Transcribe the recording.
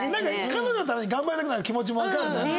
彼女のために頑張りたくなる気持ちもわかるなんか。